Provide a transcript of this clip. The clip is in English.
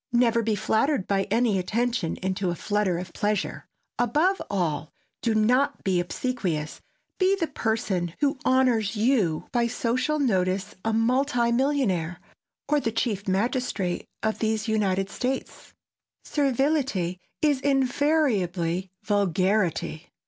Never be flattered by any attention into a flutter of pleasure. Above all, do not be obsequious, be the person who honors you by social notice a multi millionaire, or the Chief Magistrate of these United States. Servility is invariably vulgarity.